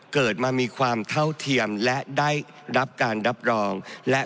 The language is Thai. เกิดมามีความเท่าเทียมและได้รับการรับรองและ